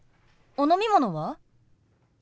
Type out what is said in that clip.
お飲み物は？